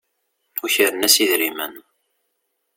Ukren-as idrimen.